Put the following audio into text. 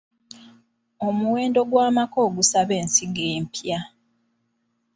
Omuwendo gw’amaka ogusaba ensigo empya.